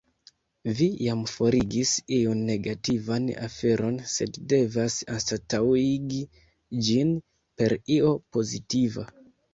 Vi jam forigis iun negativan aferon, sed devas anstataŭigi ĝin per io pozitiva.